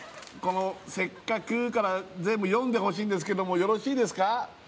この「せっかく」から全部読んでほしいんですけどもよろしいですか？